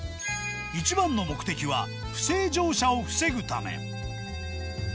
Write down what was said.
一番の目的は、不正乗車を防ぐため。